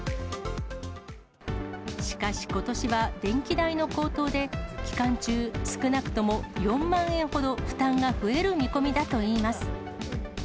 しかしことしは、電気代の高騰で、期間中、少なくとも４万円ほど負担が増える見込みだといいます。